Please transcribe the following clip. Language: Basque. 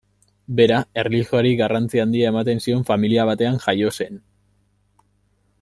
Bera erlijioari garrantzi handia ematen zion familia batean jaio zen.